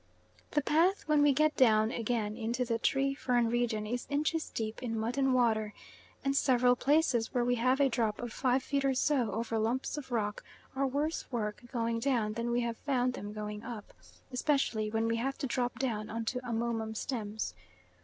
The path, when we get down again into the tree fern region, is inches deep in mud and water, and several places where we have a drop of five feet or so over lumps of rock are worse work going down than we found them going up, especially when we have to drop down on to amomum stems.